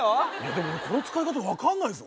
でもこれの使い方分かんないぞ？